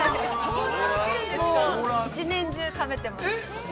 ◆一年中食べてます。